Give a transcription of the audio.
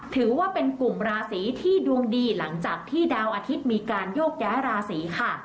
ถือว่าเป็นกลุ่มราศีที่ดวงดีหลังจากที่ดาวอาทิตย์มีการโยกย้ายราศีค่ะ